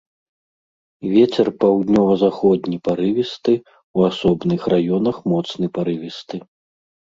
Вецер паўднёва-заходні парывісты, у асобных раёнах моцны парывісты.